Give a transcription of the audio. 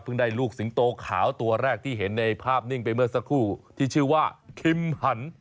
ได้ลูกสิงโตขาวตัวแรกที่เห็นในภาพนิ่งไปเมื่อสักครู่ที่ชื่อว่าคิมหัน